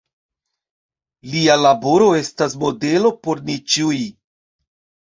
Lia laboro estas modelo por ni ĉiuj.